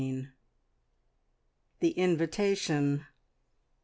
THE INVITATION.